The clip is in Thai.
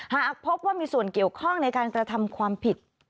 หากพบว่ามีส่วนเกี่ยวข้องในการกระทำความผิด